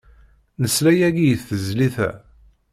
Nesla yagi i tezlit-a.